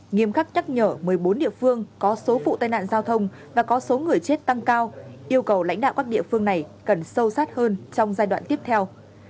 nghiêm khắc nhắc nhở một mươi bốn địa phương có số vụ tai nạn giao thông và có số người chết tăng cao yêu cầu lãnh đạo các địa phương này cần sâu sát hơn trong giai đoạn tiếp theo